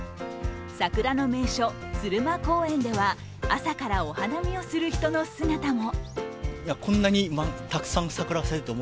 桜の名所・鶴舞公園では朝からお花見をする人の姿も。